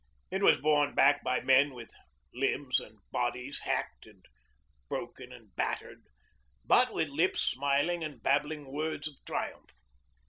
It was borne back by men with limbs and bodies hacked and broken and battered, but with lips smiling and babbling words of triumph.